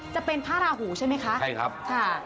จะเป็นพระราหูใช่ไหมคะใช่ครับค่ะ